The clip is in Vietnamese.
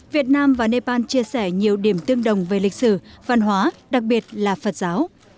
việt nam và nepal chia sẻ nhiều điểm tương đồng về lịch sử văn hóa đặc biệt là phật giáo